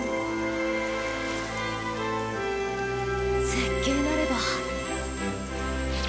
絶景なれば。